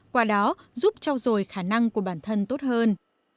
qua đó giúp trao dồi khả năng của bản thân tốt hơn